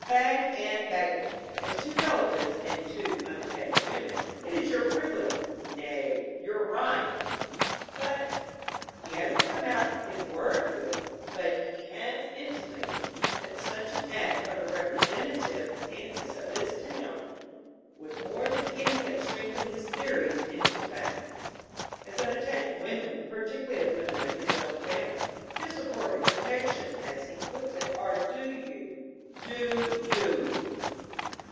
Bag and baggage. As two relatives and two unattached women, it is your privilege, nay, your right." "But " "He hasn't come out in words with it, but he has intimated that such an act from the representative antis of this town would more than anything strengthen his theories into facts. As unattached women, particularly as women of his own family, his support and protection, as he puts it, are due you, due you!"